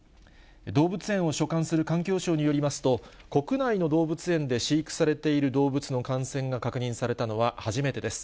動物園を所管する環境省によりますと、国内の動物園で飼育されている動物の感染が確認されたのは、初めてです。